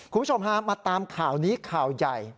คุณผู้ชมฮะมาตามข่าวนี้ข่าวใหญ่